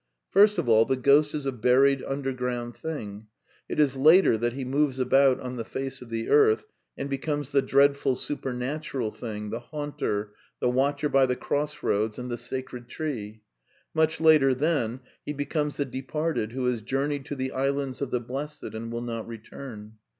First of all, the ghost is a buried, underground thing; it is later that he moves about on the face of the earth and becomes the dreadful supernatural thing, the haunter, the watcher by the cross roads and the sacred tree ®^; much later, then, he becomes the departed who has journeyed to the Islands of the Blessed and will not return.